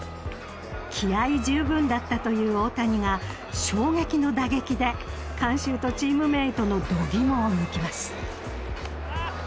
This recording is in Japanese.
気合十分だったという大谷が衝撃の打撃で観衆とチームメートの度肝を抜きます。